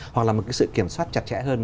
hoặc là một cái sự kiểm soát chặt chẽ hơn